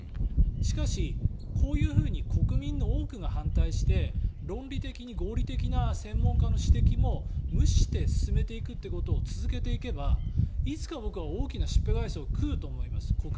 しかし、こういうふうに国民の多くが反対して論理的に合理的な専門家の指摘も無視して進めていくということを続けていけばいつか僕は大きなしっぺ返しを国民は食うと思います。